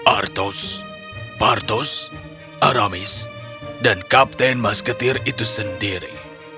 arthos parthos aramis dan kapten mas ketir itu sendiri